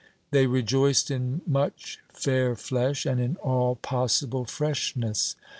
They rejoiced in much fair flesh, and in all possible freshness.